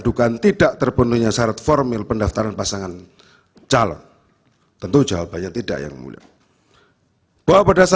dugaan tidak terpenuhi syarat formil pendaftaran pasangan calon tentu jawabannya tidak yang mulia